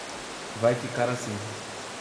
Vai ficar assim.